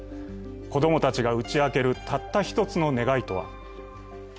子供たちが打ち明けるたった一つの願いとは。